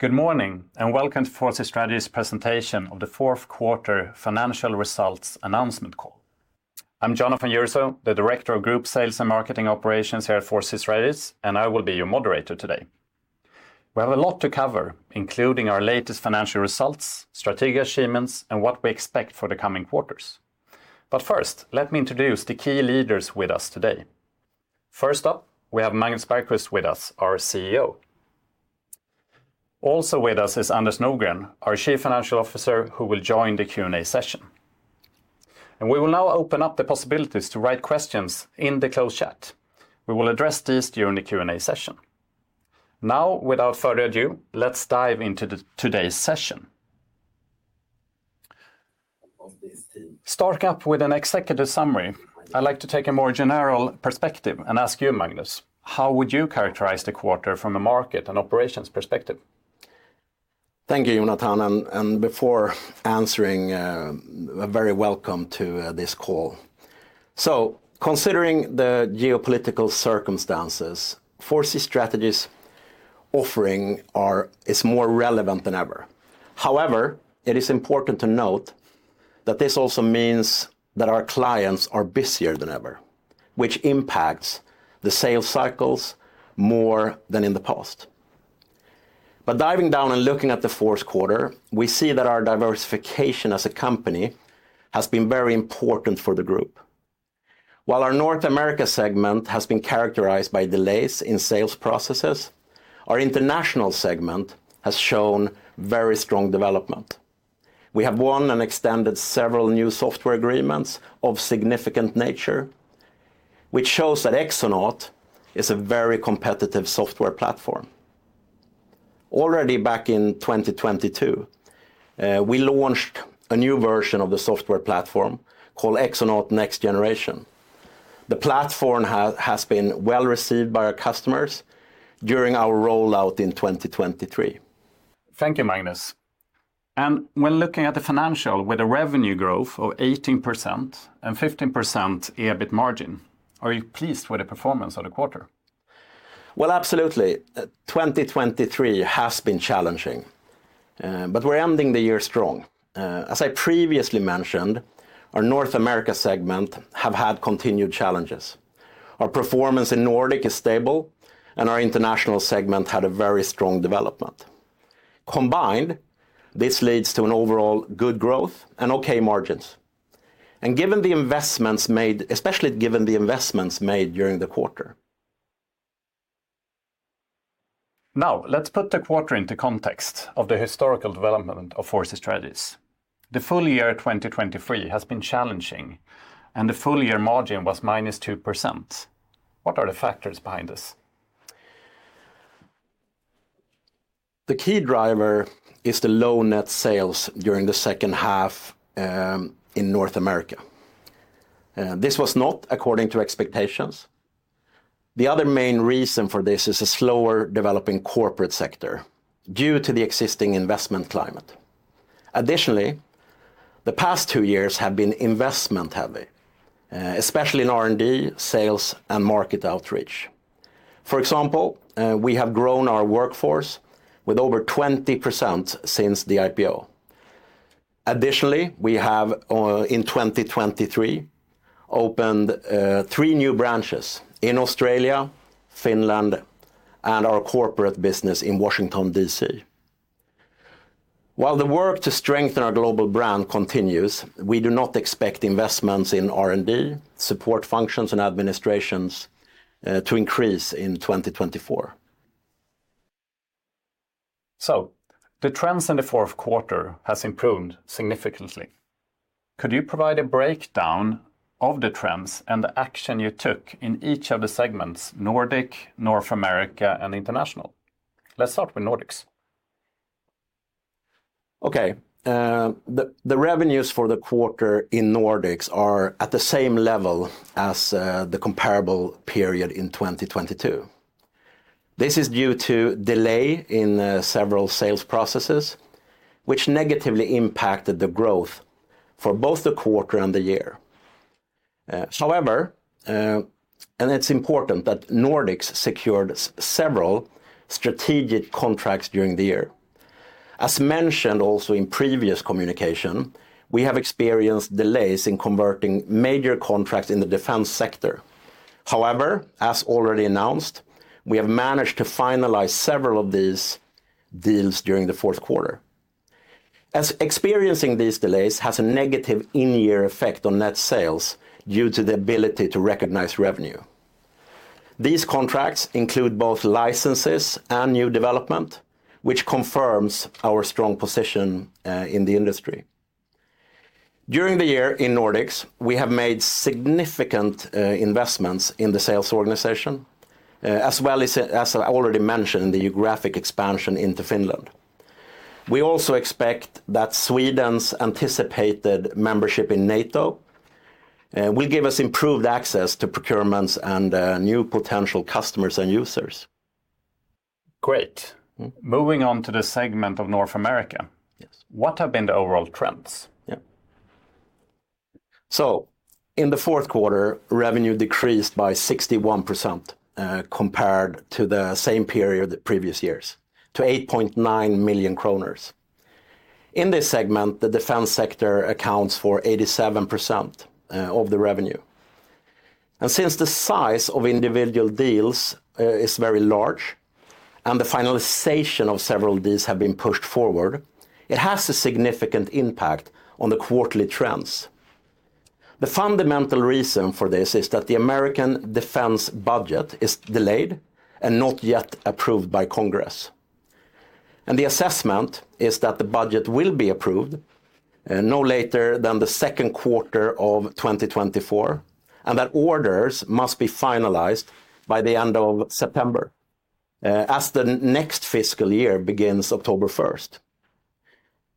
Good morning and welcome to 4C Strategies' presentation of the fourth quarter financial results announcement call. I'm Jonatan Jürisoo, the Director of Group Sales and Marketing Operations here at 4C Strategies, and I will be your moderator today. We have a lot to cover, including our latest financial results, strategic achievements, and what we expect for the coming quarters. But first, let me introduce the key leaders with us today. First up, we have Magnus Bergqvist with us, our CEO. Also with us is Anders Nordgren, our Chief Financial Officer, who will join the Q&A session. We will now open up the possibilities to write questions in the closed chat. We will address these during the Q&A session. Now, without further ado, let's dive into today's session. Of this team. Starting up with an executive summary, I'd like to take a more general perspective and ask you, Magnus, how would you characterize the quarter from a market and operations perspective? Thank you, Jonatan. Before answering, very welcome to this call. Considering the geopolitical circumstances, 4C Strategies' offering is more relevant than ever. However, it is important to note that this also means that our clients are busier than ever, which impacts the sales cycles more than in the past. Diving down and looking at the fourth quarter, we see that our diversification as a company has been very important for the group. While our North America segment has been characterized by delays in sales processes, our international segment has shown very strong development. We have won and extended several new software agreements of significant nature, which shows that Exonaut is a very competitive software platform. Already back in 2022, we launched a new version of the software platform called Exonaut Next Generation. The platform has been well received by our customers during our rollout in 2023. Thank you, Magnus. When looking at the financial with a revenue growth of 18% and 15% EBIT margin, are you pleased with the performance of the quarter? Well, absolutely. 2023 has been challenging, but we're ending the year strong. As I previously mentioned, our North America segment has had continued challenges. Our performance in Nordic is stable, and our international segment had a very strong development. Combined, this leads to an overall good growth and okay margins, and given the investments made, especially given the investments made during the quarter. Now, let's put the quarter into context of the historical development of 4C Strategies. The full year 2023 has been challenging, and the full year margin was -2%. What are the factors behind this? The key driver is the low net sales during the second half in North America. This was not according to expectations. The other main reason for this is a slower developing corporate sector due to the existing investment climate. Additionally, the past two years have been investment-heavy, especially in R&D, sales, and market outreach. For example, we have grown our workforce with over 20% since the IPO. Additionally, we have, in 2023, opened three new branches in Australia, Finland, and our corporate business in Washington, D.C. While the work to strengthen our global brand continues, we do not expect investments in R&D, support functions, and administrations to increase in 2024. The trends in the fourth quarter have improved significantly. Could you provide a breakdown of the trends and the action you took in each of the segments, Nordics, North America, and International? Let's start with Nordics. Okay. The revenues for the quarter in Nordics are at the same level as the comparable period in 2022. This is due to delay in several sales processes, which negatively impacted the growth for both the quarter and the year. However, and it's important that Nordics secured several strategic contracts during the year. As mentioned also in previous communication, we have experienced delays in converting major contracts in the defense sector. However, as already announced, we have managed to finalize several of these deals during the fourth quarter. Experiencing these delays has a negative in-year effect on net sales due to the ability to recognize revenue. These contracts include both licenses and new development, which confirms our strong position in the industry. During the year in Nordics, we have made significant investments in the sales organization, as well as, as I already mentioned, in the geographic expansion into Finland. We also expect that Sweden's anticipated membership in NATO will give us improved access to procurements and new potential customers and users. Great. Moving on to the segment of North America, what have been the overall trends? Yeah. So, in the fourth quarter, revenue decreased by 61% compared to the same period the previous years, to 8.9 million kronor. In this segment, the defense sector accounts for 87% of the revenue. And since the size of individual deals is very large and the finalization of several of these has been pushed forward, it has a significant impact on the quarterly trends. The fundamental reason for this is that the American defense budget is delayed and not yet approved by Congress. And the assessment is that the budget will be approved no later than the second quarter of 2024, and that orders must be finalized by the end of September as the next fiscal year begins, October 1st.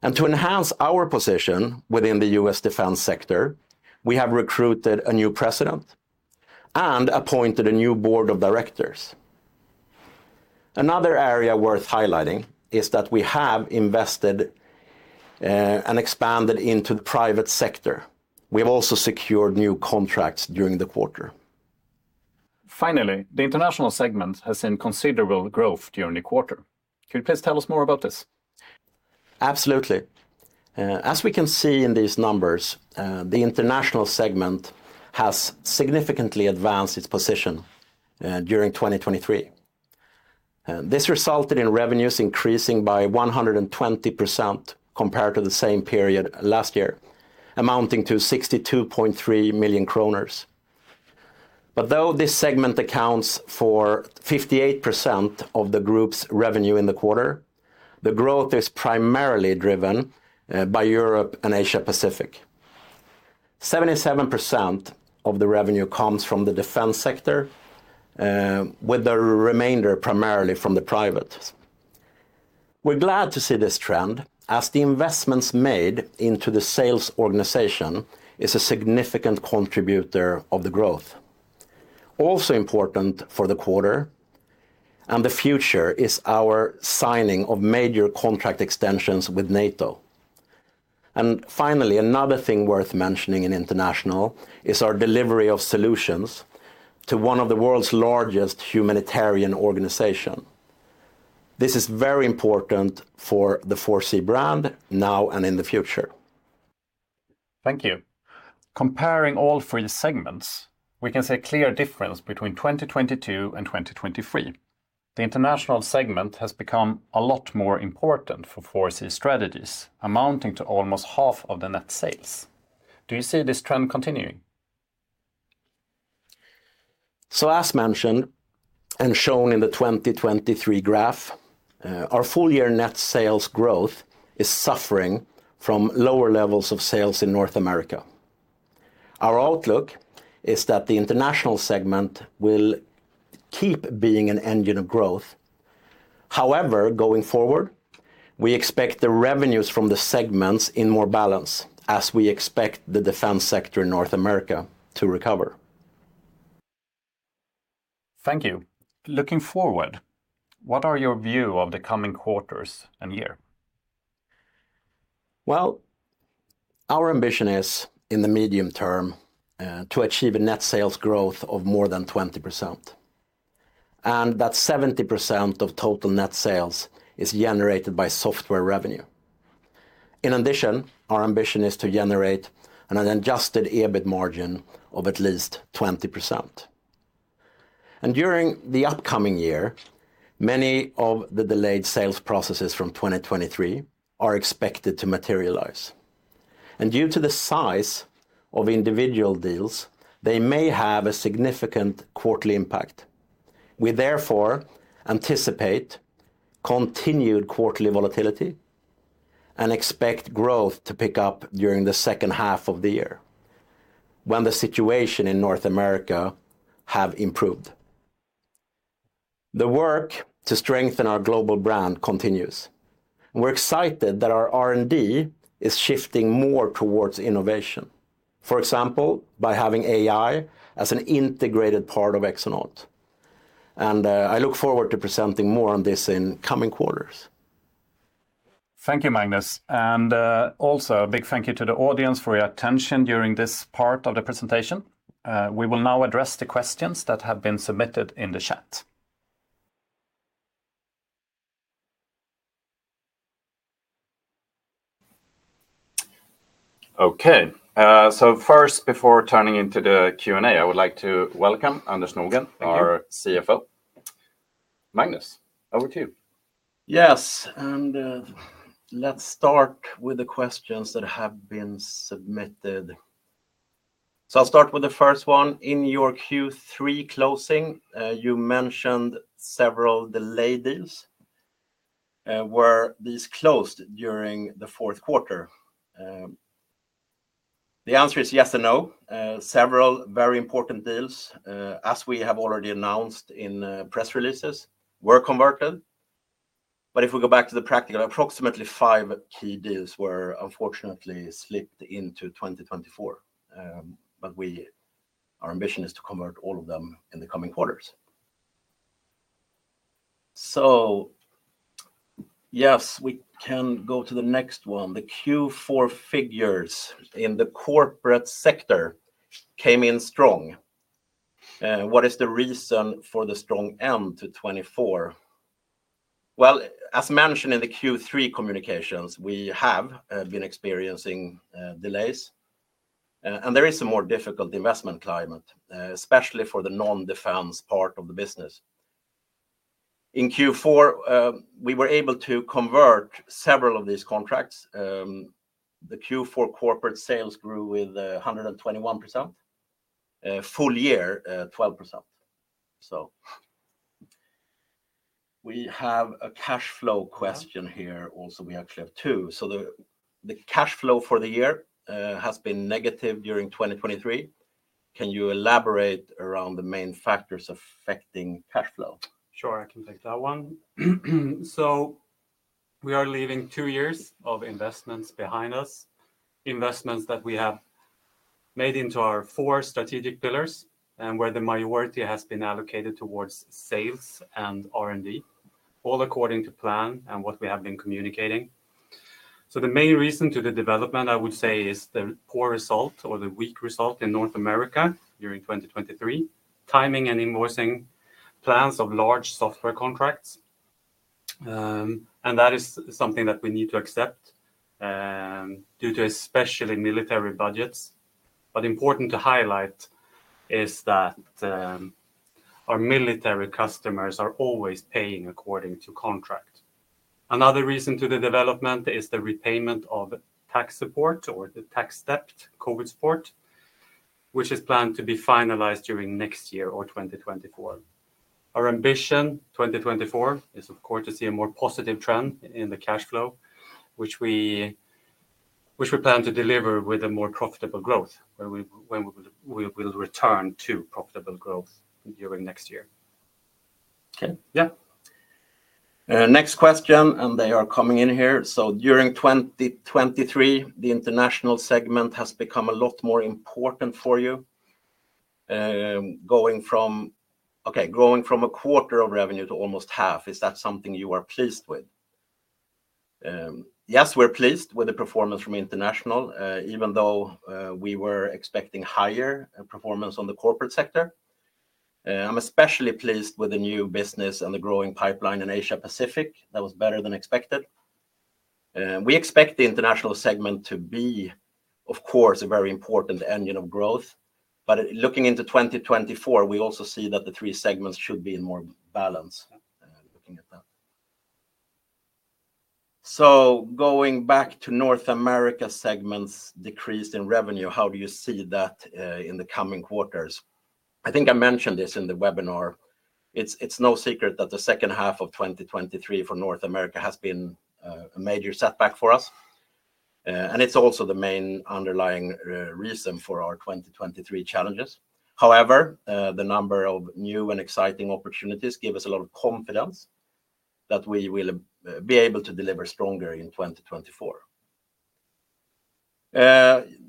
And to enhance our position within the U.S. defense sector, we have recruited a new president and appointed a new board of directors. Another area worth highlighting is that we have invested and expanded into the private sector. We have also secured new contracts during the quarter. Finally, the international segment has seen considerable growth during the quarter. Could you please tell us more about this? Absolutely. As we can see in these numbers, the international segment has significantly advanced its position during 2023. This resulted in revenues increasing by 120% compared to the same period last year, amounting to 62.3 million kronor. Though this segment accounts for 58% of the group's revenue in the quarter, the growth is primarily driven by Europe and Asia-Pacific. 77% of the revenue comes from the defense sector, with the remainder primarily from the privates. We're glad to see this trend as the investments made into the sales organization are a significant contributor of the growth. Also important for the quarter and the future is our signing of major contract extensions with NATO. Finally, another thing worth mentioning in international is our delivery of solutions to one of the world's largest humanitarian organizations. This is very important for the 4C brand now and in the future. Thank you. Comparing all three segments, we can see a clear difference between 2022 and 2023. The international segment has become a lot more important for 4C Strategies, amounting to almost half of the net sales. Do you see this trend continuing? As mentioned and shown in the 2023 graph, our full year net sales growth is suffering from lower levels of sales in North America. Our outlook is that the international segment will keep being an engine of growth. However, going forward, we expect the revenues from the segments in more balance as we expect the defense sector in North America to recover. Thank you. Looking forward, what are your views of the coming quarters and year? Well, our ambition is in the medium term to achieve a net sales growth of more than 20%. And that 70% of total net sales is generated by software revenue. In addition, our ambition is to generate an adjusted EBIT margin of at least 20%. And during the upcoming year, many of the delayed sales processes from 2023 are expected to materialize. And due to the size of individual deals, they may have a significant quarterly impact. We, therefore, anticipate continued quarterly volatility and expect growth to pick up during the second half of the year when the situation in North America has improved. The work to strengthen our global brand continues. We're excited that our R&D is shifting more towards innovation, for example, by having AI as an integrated part of Exonaut. And I look forward to presenting more on this in coming quarters. Thank you, Magnus. Also, a big thank you to the audience for your attention during this part of the presentation. We will now address the questions that have been submitted in the chat. Okay. First, before turning into the Q&A, I would like to welcome Anders Nordgren, our CFO. Magnus, over to you. Yes. Let's start with the questions that have been submitted. So, I'll start with the first one. In your Q3 closing, you mentioned several delayed deals. Were these closed during the fourth quarter? The answer is yes and no. Several very important deals, as we have already announced in press releases, were converted. But if we go back to the practical, approximately 5 key deals were unfortunately slipped into 2024. But our ambition is to convert all of them in the coming quarters. So, yes, we can go to the next one. The Q4 figures in the corporate sector came in strong. What is the reason for the strong end to 2024? Well, as mentioned in the Q3 communications, we have been experiencing delays. And there is a more difficult investment climate, especially for the non-defense part of the business. In Q4, we were able to convert several of these contracts. The Q4 corporate sales grew with 121%. Full year, 12%. So, we have a cash flow question here also. We actually have two. So, the cash flow for the year has been negative during 2023. Can you elaborate around the main factors affecting cash flow? Sure, I can take that one. So, we are leaving two years of investments behind us, investments that we have made into our four strategic pillars and where the majority has been allocated towards sales and R&D, all according to plan and what we have been communicating. So, the main reason to the development, I would say, is the poor result or the weak result in North America during 2023, timing and invoicing plans of large software contracts. And that is something that we need to accept due to especially military budgets. But important to highlight is that our military customers are always paying according to contract. Another reason to the development is the repayment of tax support or the tax debt, COVID support, which is planned to be finalized during next year or 2024. Our ambition 2024 is, of course, to see a more positive trend in the cash flow, which we plan to deliver with a more profitable growth, when we will return to profitable growth during next year. Okay. Yeah. Next question, and they are coming in here. So, during 2023, the international segment has become a lot more important for you, going from, okay, growing from a quarter of revenue to almost half. Is that something you are pleased with? Yes, we're pleased with the performance from international, even though we were expecting higher performance on the corporate sector. I'm especially pleased with the new business and the growing pipeline in Asia-Pacific. That was better than expected. We expect the international segment to be, of course, a very important engine of growth. But looking into 2024, we also see that the three segments should be in more balance, looking at that. So, going back to North America segments decreased in revenue, how do you see that in the coming quarters? I think I mentioned this in the webinar. It's no secret that the second half of 2023 for North America has been a major setback for us. It's also the main underlying reason for our 2023 challenges. However, the number of new and exciting opportunities gives us a lot of confidence that we will be able to deliver stronger in 2024.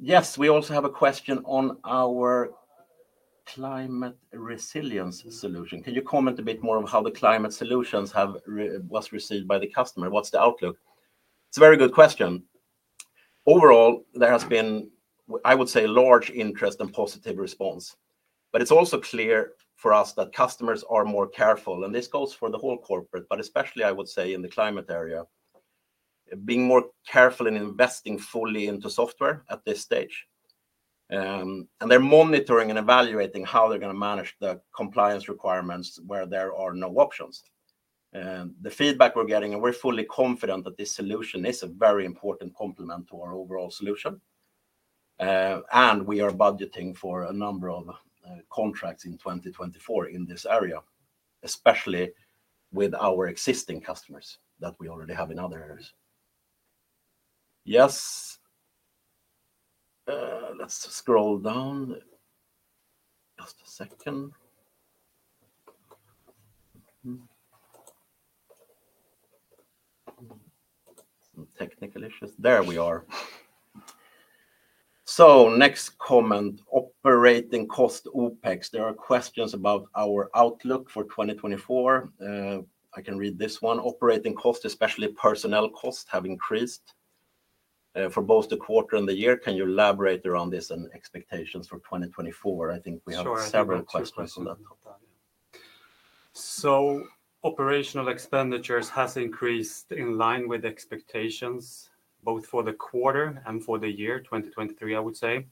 Yes, we also have a question on our climate resilience solution. Can you comment a bit more on how the climate solutions were received by the customer? What's the outlook? It's a very good question. Overall, there has been, I would say, large interest and positive response. It's also clear for us that customers are more careful. And this goes for the whole corporate, but especially, I would say, in the climate area, being more careful in investing fully into software at this stage. They're monitoring and evaluating how they're going to manage the compliance requirements where there are no options. The feedback we're getting, and we're fully confident that this solution is a very important complement to our overall solution. And we are budgeting for a number of contracts in 2024 in this area, especially with our existing customers that we already have in other areas. Yes. Let's scroll down. Just a second. Some technical issues. There we are. So, next comment, operating cost OPEX. There are questions about our outlook for 2024. I can read this one. Operating costs, especially personnel costs, have increased for both the quarter and the year. Can you elaborate around this and expectations for 2024? I think we have several questions on that topic. So, operational expenditures have increased in line with expectations, both for the quarter and for the year 2023, I would say.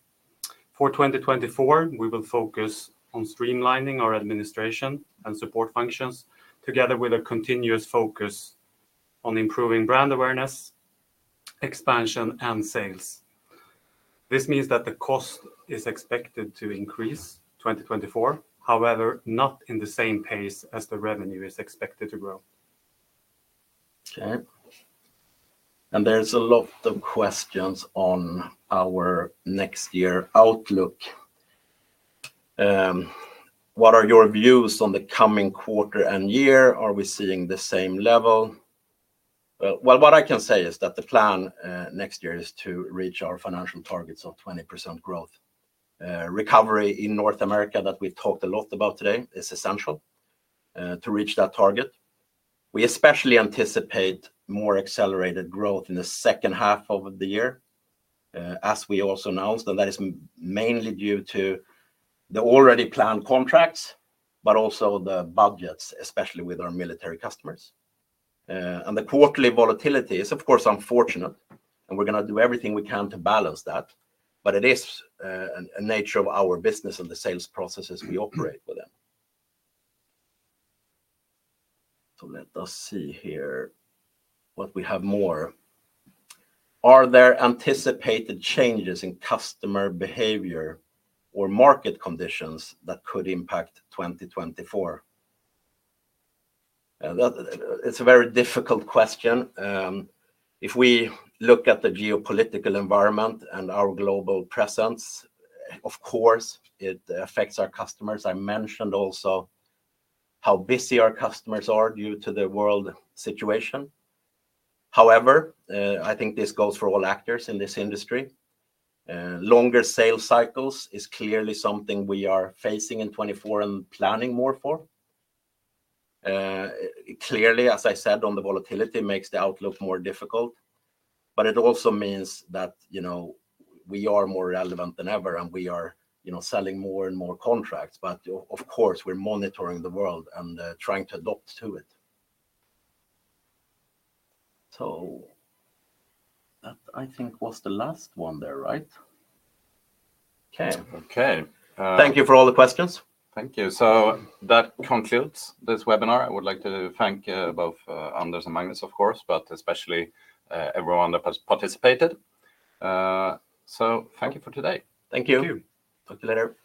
For 2024, we will focus on streamlining our administration and support functions together with a continuous focus on improving brand awareness, expansion, and sales. This means that the cost is expected to increase in 2024, however, not in the same pace as the revenue is expected to grow. Okay. There's a lot of questions on our next year outlook. What are your views on the coming quarter and year? Are we seeing the same level? Well, what I can say is that the plan next year is to reach our financial targets of 20% growth. Recovery in North America that we talked a lot about today is essential to reach that target. We especially anticipate more accelerated growth in the second half of the year, as we also announced, and that is mainly due to the already planned contracts, but also the budgets, especially with our military customers. The quarterly volatility is, of course, unfortunate, and we're going to do everything we can to balance that. But it is a nature of our business and the sales processes we operate within. Let us see here what we have more. Are there anticipated changes in customer behavior or market conditions that could impact 2024? It's a very difficult question. If we look at the geopolitical environment and our global presence, of course, it affects our customers. I mentioned also how busy our customers are due to the world situation. However, I think this goes for all actors in this industry. Longer sales cycles are clearly something we are facing in 2024 and planning more for. Clearly, as I said, on the volatility, it makes the outlook more difficult. But it also means that, you know, we are more relevant than ever and we are, you know, selling more and more contracts. But of course, we're monitoring the world and trying to adapt to it. So, that I think was the last one there, right? Okay. Okay. Thank you for all the questions. Thank you. So, that concludes this webinar. I would like to thank both Anders and Magnus, of course, but especially everyone that participated. So, thank you for today. Thank you. Thank you. Talk to you later.